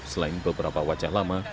selain beberapa wajah lama